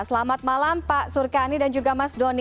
selamat malam pak surkani dan juga mas doni